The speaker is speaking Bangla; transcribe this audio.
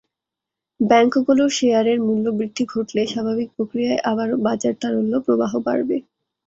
ব্যাংকগুলোর শেয়ারের মূল্যবৃদ্ধি ঘটলে স্বাভাবিক প্রক্রিয়ায় আবারও বাজার তারল্য প্রবাহ বাড়বে।